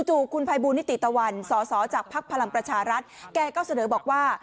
ู่คุณภัยบูลนิติตะวันสอสอจากภักดิ์พลังประชารัฐแกก็เสนอบอกว่า